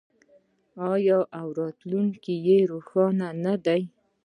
آیا او راتلونکی یې روښانه نه دی؟